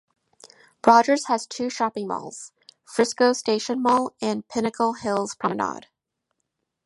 Rogers has two shopping malls: Frisco Station Mall and Pinnacle Hills Promenade.